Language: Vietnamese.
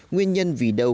nguyên nhân vì đâu